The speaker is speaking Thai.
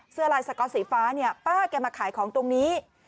ลายสก๊อตสีฟ้าเนี่ยป้าแกมาขายของตรงนี้